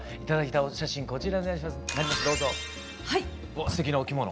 わあすてきなお着物。